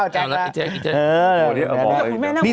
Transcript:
จริงเล่นไปกลับหน่อย